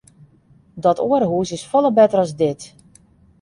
Dat oare hús is folle better as dit.